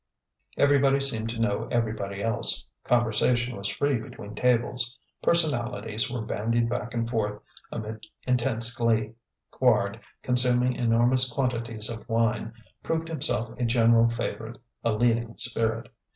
Everybody seemed to know everybody else. Conversation was free between tables. Personalities were bandied back and forth amid intense glee. Quard, consuming enormous quantities of wine, proved himself a general favourite, a leading spirit.